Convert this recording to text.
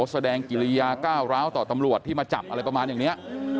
แสดงกิริยาก้าวร้าวต่อตำรวจที่มาจับอะไรประมาณอย่างนี้